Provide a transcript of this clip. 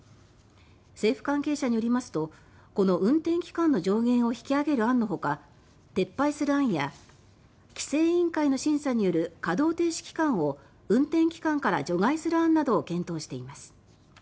政府関係者によりますとこの運転期間の上限を引き上げる案の他撤廃する案や規制委員会の審査による稼働停止期間を運転期間から除外する案などを検討しています。